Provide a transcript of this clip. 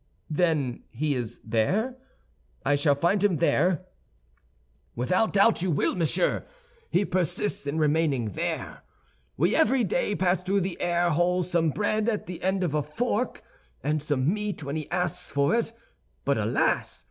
"Then he is there? I shall find him there?" "Without doubt you will, monsieur; he persists in remaining there. We every day pass through the air hole some bread at the end of a fork, and some meat when he asks for it; but alas!